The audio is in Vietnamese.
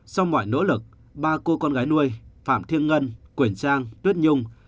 sau mọi nỗ lực ba cô con gái nuôi phạm thiên ngân quỳnh trang tuyết nhung